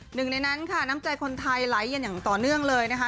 หนึ่งในนั้นค่ะน้ำใจคนไทยไหลกันอย่างต่อเนื่องเลยนะคะ